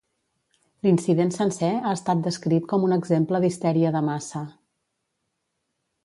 L'incident sencer ha estat descrit com un exemple d'histèria de massa.